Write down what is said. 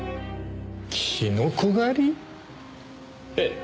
キノコ狩り？ええ。